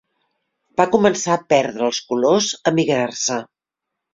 Va començar a perdre els colors, a migrar-se